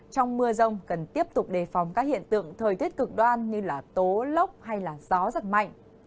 trong mưa rông cần tiếp tục đề phòng các hiện tượng thời tiết cực đoan như tố lốc hay gió giật mạnh